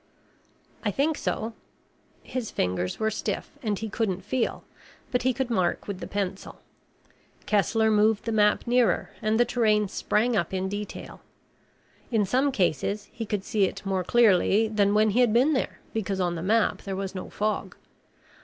"I think so." His fingers were stiff and he couldn't feel, but he could mark with the pencil. Kessler moved the map nearer and the terrain sprang up in detail. In some cases, he could see it more clearly than when he had been there, because on the map there was no fog.